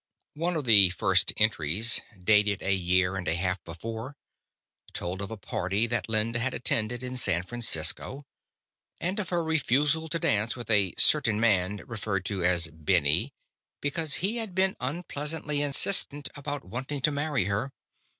One of the first entries, dated a year and a half before, told of a party that Linda had attended in San Francisco, and of her refusal to dance with a certain man, referred to as "Benny," because he had been unpleasantly insistent about wanting to marry her.